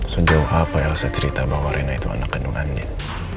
sejauh apa yang saya cerita bahwa rina itu anak kandung andien